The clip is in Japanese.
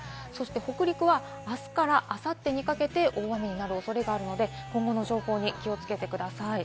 北陸はあすからあさってにかけて大雨になる恐れがあるので、今後の情報に気をつけてください。